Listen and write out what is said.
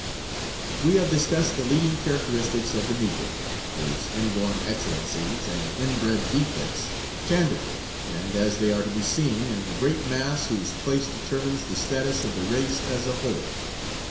We have discussed the leading characteristics of the Negro, his inborn excellencies and inbred defects, candidly and as they are to be seen in the great mass whose place determines the status of the race as a whole.